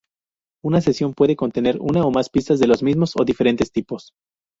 Una sesión puede contener una o más pistas de los mismos o diferentes tipos.